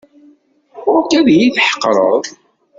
Ɣur-k ad iyi-tḥeqreḍ.